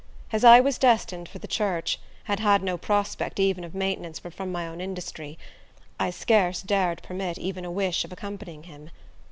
As I was designed for the church, and had no prospect even of maintenance but from my own industry, I scarce dared permit even a wish of accompanying him.